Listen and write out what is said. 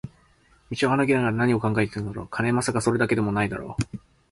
道を歩きながら何を考えているのだろう、金？まさか、それだけでも無いだろう